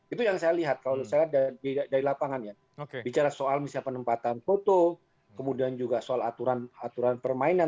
itu yang saya lihat kalau saya lihat dari lapangan ya bicara soal misalnya penempatan foto kemudian juga soal aturan aturan permainan